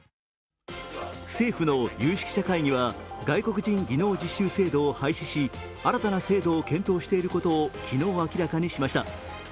政府の有識者会議は外国人技能実習制度を廃止し、新たな制度を検討していることを昨日、明らかにしました。